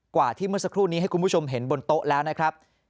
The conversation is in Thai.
กว่าที่เมื่อสักครู่นี้ให้คุณผู้ชมเห็นบนโต๊ะแล้วนะครับ